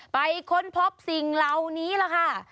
ค้นพบสิ่งเหล่านี้ล่ะค่ะ